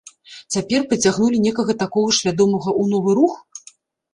Цяпер прыцягнулі некага такога ж вядомага ў новы рух?